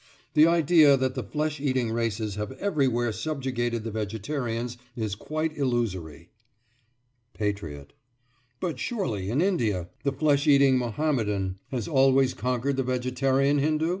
The idea that the flesh eating races have everywhere subjugated the vegetarians is quite illusory. PATRIOT: But surely in India the flesh eating Mohammedan has always conquered the vegetarian Hindu?